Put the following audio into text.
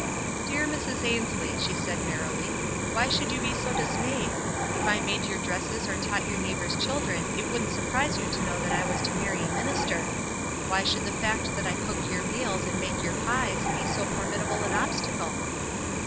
"Dear Mrs. Ainslie," she said, merrily, "why should you be so dismayed? If I nrado your dresses or taught your neighbors children it wouldn't surprise you to know that I was to marry a minister. Why should the fact that I cook your meats and make your pies be so for midable an obstacle?"